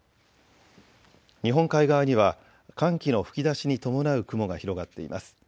日本海側には寒気の吹き出しに伴う雲が広がっています。